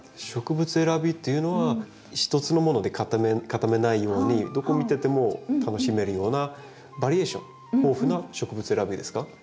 植物選びっていうのは一つのもので固めないようにどこ見てても楽しめるようなバリエーション豊富な植物選びですか？